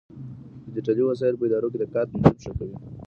ډيجيټلي وسايل په ادارو کې د کار تنظيم ښه کوي.